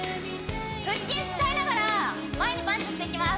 腹筋使いながら前にパンチしていきます